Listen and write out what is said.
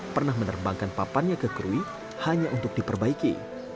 pernah menerbangkan papannya ke krui hanya untuk diperbaiki